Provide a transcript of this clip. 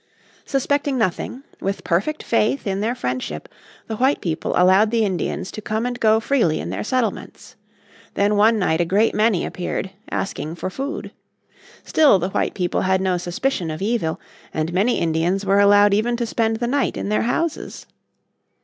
Suspecting nothing, with perfect faith in their friendship, the white people allowed the Indians to come and go freely in their settlements. Then one night in 1711 a great many appeared, asking for food. Still the white people had no suspicion of evil, and many Indians were allowed even to spend the night in their houses.